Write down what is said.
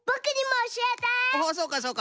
おおそうかそうか。